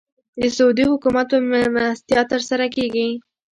د سعودي حکومت په مېلمستیا تر سره کېږي.